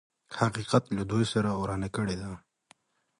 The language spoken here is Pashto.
حقيقت له دوی سره ورانه کړې ده.